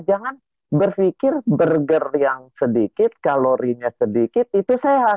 jangan berpikir burger yang sedikit kalorinya sedikit itu sehat